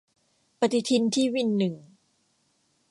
ปฏิทินที่วินหนึ่ง